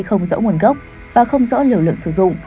không rõ nguồn gốc và không rõ liều lượng sử dụng